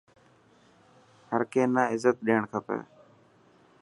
هر ڪي نا عزت ڏيڻ کپي.